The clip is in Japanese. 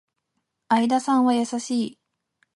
相田さんは優しい